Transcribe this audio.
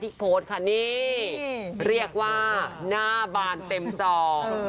โพสต์ค่ะนี่เรียกว่าหน้าบานเต็มจอ